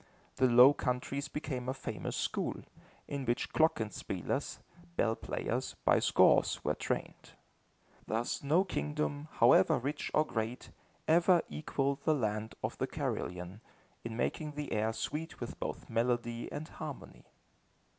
The Low Countries became a famous school, in which klokken spielers (bell players) by scores were trained. Thus no kingdom, however rich or great, ever equalled the Land of the Carillon, in making the air sweet with both melody and harmony.